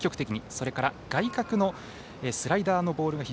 それから外角のスライダーのボール